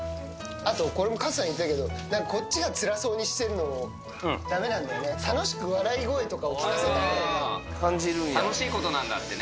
あと、これもカズさん言ってたけど、こっちがつらそうにしてるの、だめなんだよね、楽しく笑い声とかを聞かせたほうが。楽しいことなんだってね。